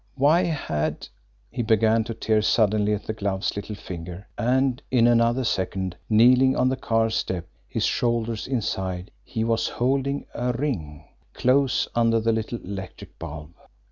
Why had he began to tear suddenly at the glove's little finger, and in another second, kneeling on the car's step, his shoulders inside, he was holding a ring close under the little electric bulb.